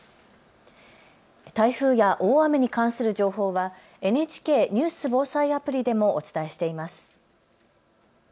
台風や大雨に関する情報はＮＨＫニュース・防災アプリでもお伝えしています。